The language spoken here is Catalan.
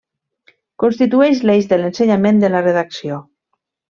Constitueix l'eix de l'ensenyament de la redacció.